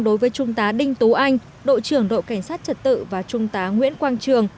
đối với trung tá đinh tú anh đội trưởng đội cảnh sát trật tự và trung tá nguyễn quang trường